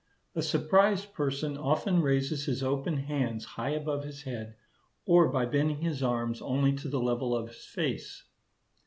A surprised person often raises his opened hands high above his head, or by bending his arms only to the level of his face.